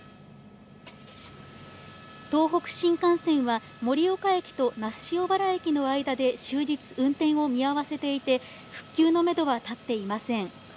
東北新幹線は盛岡駅と那須塩原駅の間で終日、運転を見合わせていて、復旧のめどは立っていません。